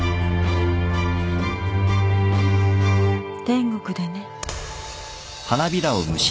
天国でね。